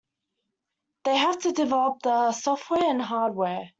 They have to develop the software and hardware.